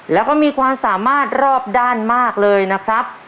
แล้วก็มีความสามารถรอบด้านมากเลยนะครับ